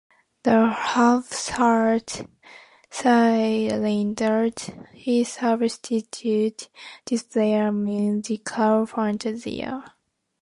The haphazard cylinders he substituted displayed a musical fantasia.